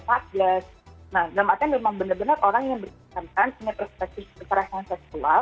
nah dalam artian memang benar benar orang yang bersangkutan punya perspektif kekerasan seksual